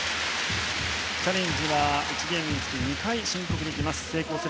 チャレンジは１ゲームにつき２回申告できます。